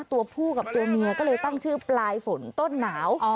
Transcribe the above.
ตัวผู้กับตัวเมียก็เลยตั้งชื่อปลายฝนต้นหนาว